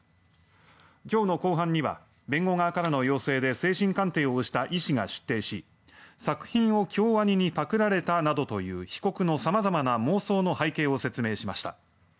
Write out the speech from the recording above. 今日の公判には弁護側からの要請で精神鑑定をした医師が出廷し作品を京アニにパクられたなどという被告の様々な妄想の背景を説明しました。